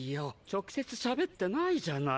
直接しゃべってないじゃない。